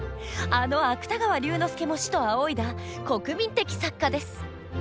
あの芥川龍之介も師と仰いだ国民的作家です。